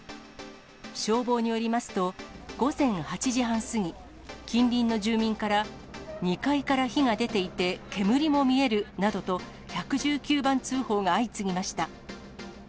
消防によりますと、午前８時半過ぎ、近隣の住民から、２階から火が出ていて、煙も見えるなどと、１１９番通報が相次ぎました。